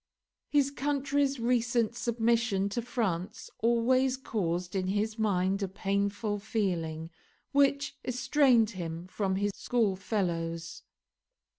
His country's recent submission to France always caused in his mind a painful feeling, which estranged him from his schoolfellows.